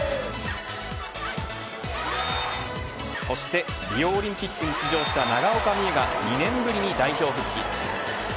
そしてリオオリンピックに出場した長岡みゆが２年ぶりに代表復帰。